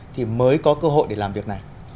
thì mới có cơ hội để làm việc này